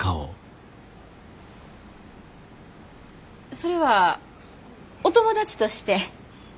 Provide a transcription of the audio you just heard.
それはお友達として？